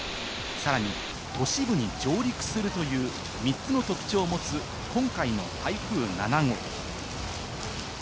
さらに都市部に上陸するという３つの特徴を持つ今回の台風７号。